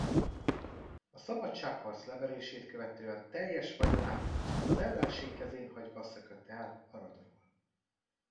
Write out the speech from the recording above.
A szabadságharc leverését követően teljes vagyonát az ellenség kezén hagyva szökött el Aradról.